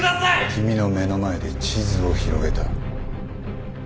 君の目の前で地図を広げた。